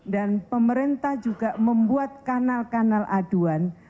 dan pemerintah juga membuat kanal kanal aduan